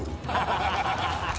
ハハハハ！